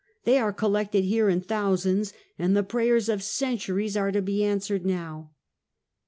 They are collected here in thousands, and the prayers of centuries are to be answered now!